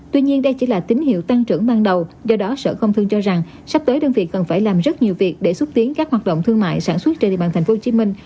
tuy nhiên đây chỉ là tín hiệu tăng trưởng ban đầu do đó sở công thương cho rằng sắp tới đơn vị cần phải làm rất nhiều việc để xúc tiến các hoạt động thương mại sản xuất trên địa bàn tp hcm